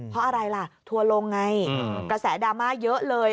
เพราะอะไรล่ะทัวร์ลงไงกระแสดราม่าเยอะเลย